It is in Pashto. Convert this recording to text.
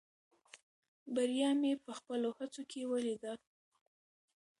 بریا مې په خپلو هڅو کې ولیده.